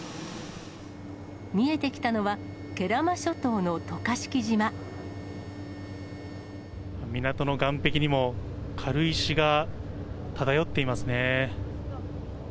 見えてきたのは、港の岸壁にも、軽石が漂っていますね。